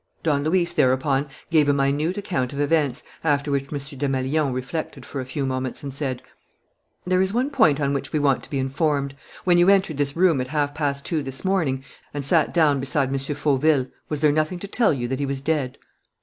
Don Luis thereupon gave a minute account of events, after which M. Desmalions reflected for a few moments and said: "There is one point on which we want to be informed. When you entered this room at half past two this morning and sat down beside M. Fauville, was there nothing to tell you that he was dead?"